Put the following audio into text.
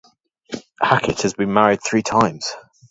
Hackett has been married three times.